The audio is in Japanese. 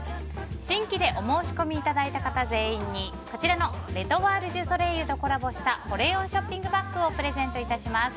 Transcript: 新規でお申し込みいただいた方全員にこちらのレ・トワール・デュ・ソレイユとコラボした保冷温ショッピングバッグをプレゼント致します。